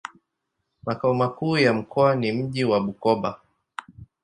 Makao makuu ya mkoa ni mji wa Bukoba.